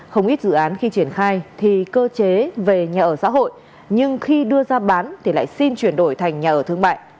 không ít dự án khi triển khai thì cơ chế về nhà ở xã hội nhưng khi đưa ra bán thì lại xin chuyển đổi thành nhà ở thương mại